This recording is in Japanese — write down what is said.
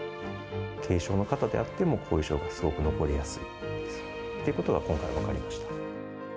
軽症の方であっても、後遺症がすごく残りやすいということが今回分かりました。